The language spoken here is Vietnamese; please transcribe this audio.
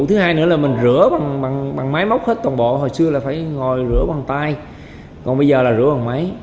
thứ hai nữa là mình rửa bằng máy móc hết toàn bộ hồi xưa là phải ngồi rửa bằng tay còn bây giờ là rửa bằng máy